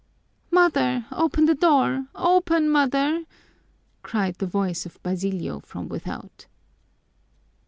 "Mother, open the door! Open, mother!" cried the voice of Basilio from without.